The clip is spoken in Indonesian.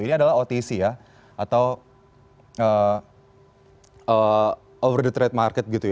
ini adalah otc ya atau over the trade market